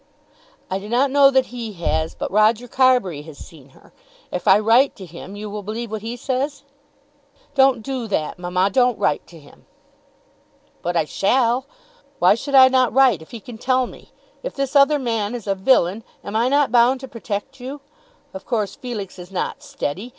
"I do not know that he has, but Roger Carbury has seen her. If I write to him you will believe what he says?" "Don't do that, mamma. Don't write to him." "But I shall. Why should I not write if he can tell me? If this other man is a villain am I not bound to protect you? Of course Felix is not steady.